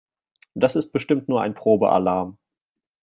Das ist bestimmt nur ein Probealarm.